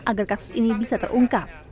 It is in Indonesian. agar kasus ini bisa terungkap